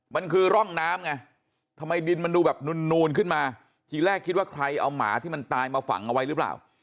มันคือร่องน้ำไงทำไมดินมันดูแบบนูนขึ้นมาทีแรกคิดว่าใครเอาหมาที่มันตายมาฝังเอาไว้หรือเปล่า